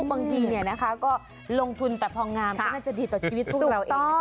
บางทีก็ลงทุนแต่พองามก็น่าจะดีต่อชีวิตพวกเราเอง